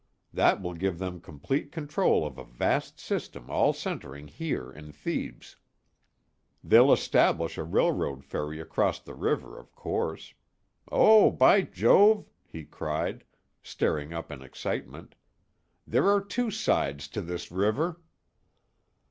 That will give them complete control of a vast system all centring here in Thebes. They'll establish a railroad ferry across the river, of course. Oh, by Jove!" he cried, starting up in excitement, "_There are two sides to this river!